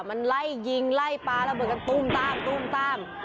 มันไล่ยิงไล่ปลาระเบิดกันตุ้มตามตุ้มตาม